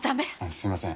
すみません。